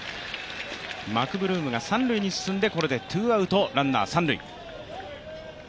マクブルームが三塁に進んでこれでツーアウトランナー、三塁。